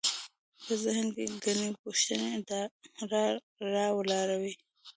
په ذهن کې ګڼې پوښتنې راولاړوي.